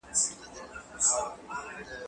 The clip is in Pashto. زه به تکړښت کړی وي!.